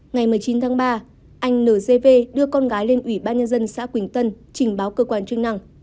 ngày một mươi chín tháng ba anh n g v đưa con gái lên ủy ban nhân dân xã quỳnh tân trình báo cơ quan chức năng